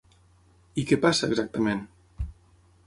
I què passa exactament?